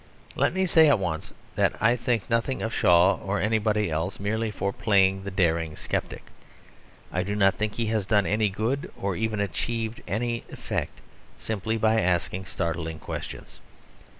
Let me say at once that I think nothing of Shaw or anybody else merely for playing the daring sceptic. I do not think he has done any good or even achieved any effect simply by asking startling questions.